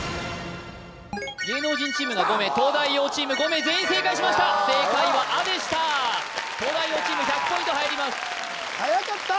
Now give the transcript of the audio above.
芸能人チームが５名東大王チーム５名全員正解しました正解は「ア」でした東大王チーム１００ポイント入りますはやかった